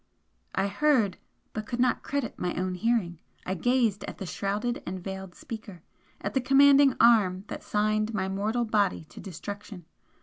I heard but could not credit my own hearing. I gazed at the shrouded and veiled speaker at the commanding arm that signed my mortal body to destruction.